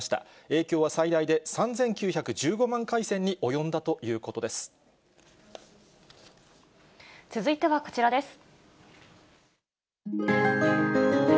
影響は最大で３９１５万回線に及続いてはこちらです。